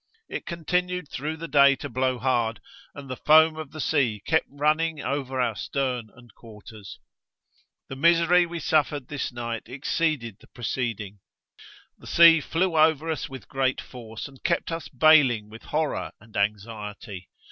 It continued through the day to blow hard, and the foam of the sea kept running over our stern and quarters. 'The misery we suffered this night exceeded the preceding. The sea flew over us with great force, and kept us baling with horror and anxiety.